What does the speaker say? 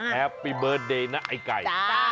แฮปปี้เบิร์ตเดย์นะไอ้ไก่